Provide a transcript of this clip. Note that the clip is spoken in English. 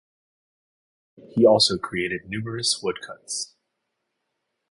He also created numerous woodcuts.